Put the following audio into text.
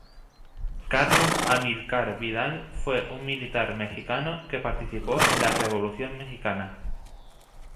Carlos Amilcar Vidal fue un militar mexicano que participó en la Revolución mexicana.